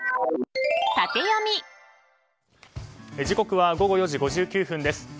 時刻は午後４時５９分です。